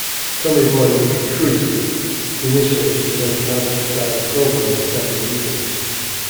Tommy Boyd was recruited, initially to present an adult-style programme on Saturday evenings.